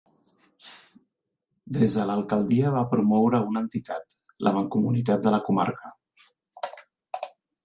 Des de l'alcaldia va promoure una entitat, la Mancomunitat de la comarca.